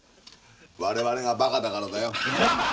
我々がバカだからだよ。